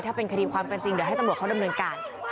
ถ้าเป็นคดีความกันจริงเดี๋ยวให้ตำรวจเขาดำเนินการ